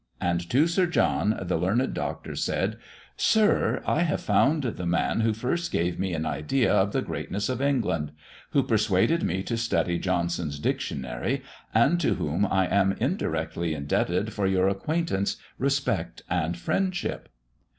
And to Sir John the learned doctor said: "Sir, I have found the man who first gave me an idea of the greatness of England; who persuaded me to study 'Johnson's Dictionary'; and to whom I am indirectly indebted for your acquaintance, respect, and friendship."